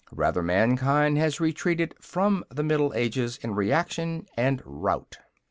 Rather mankind has retreated from the Middle Ages in reaction and rout."